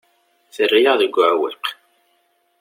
Terra-yaɣ deg uɛewwiq.